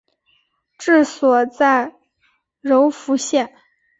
治所在柔服县。